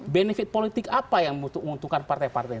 benefit politik apa yang menguntungkan partai partai